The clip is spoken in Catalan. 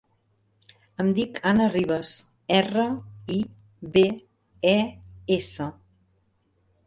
Em dic Ana Ribes: erra, i, be, e, essa.